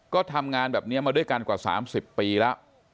ก็ทำงานแบบนี้มาด้วยกันกว่า๓๐ปีแล้ว